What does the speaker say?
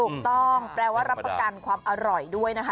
ถูกต้องแปลว่ารับประกันความอร่อยด้วยนะคะ